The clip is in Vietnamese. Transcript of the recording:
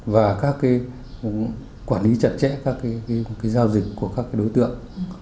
và các quản lý chặt chẽ các giao dịch của các đối tượng